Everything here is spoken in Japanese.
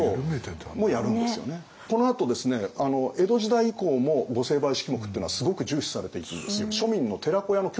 このあとですね江戸時代以降も御成敗式目ってのはすごく重視されていくんですよ。